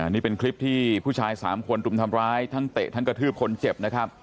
นี่เป็นคลิปที่ผู้ชาย๓คนรุมทำร้ายทั้งเตะทั้งกระทืบคนเจ็บนะครับ